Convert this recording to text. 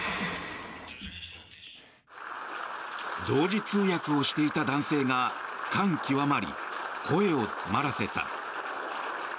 同時通訳をしていた男性が感極まり、声を詰まらせた。